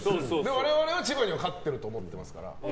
我々は千葉には勝っていると思いますから。